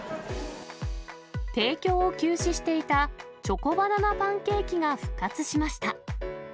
提供を休止していたチョコバナナパンケーキが復活しました。